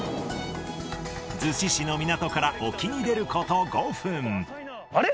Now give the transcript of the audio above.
逗子市の港から沖に出ることあれ？